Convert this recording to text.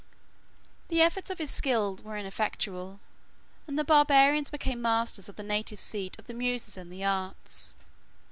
The efforts of his skill were ineffectual, and the barbarians became masters of the native seat of the muses and the arts.